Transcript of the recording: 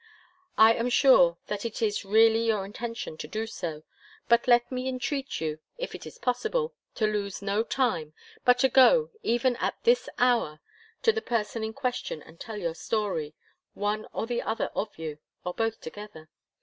I am sure that it is really your intention to do so. But let me entreat you, if it is possible, to lose no time, but to go, even at this hour, to the person in question and tell your story, one or the other of you, or both together.